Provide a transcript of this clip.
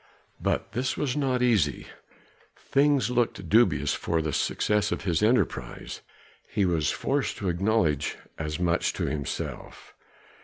But this was not easy; things looked dubious for the success of his enterprise; he was forced to acknowledge as much to himself.